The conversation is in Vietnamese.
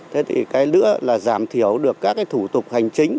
thế thì cái lứa là giảm thiểu được các thủ tục hành chính